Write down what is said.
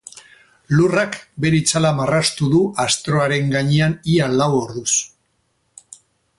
Lurrak bere itzala marraztu du astroaren gainean ia lau orduz.